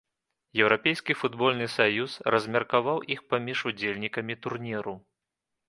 Еўрапейскі футбольны саюз размеркаваў іх паміж удзельнікамі турніру.